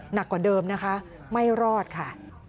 หนักกว่าเดิมนะคะไม่รอดค่ะ